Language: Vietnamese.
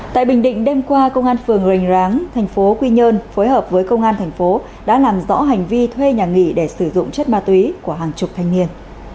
tại bình định đêm qua công an phường hoành ráng thành phố quy nhơn phối hợp với công an thành phố đã làm rõ hành vi thuê nhà nghỉ để sử dụng chất ma túy của hàng chục thanh niên